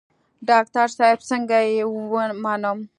ډاکتر صاحب څنګه يې ومنم.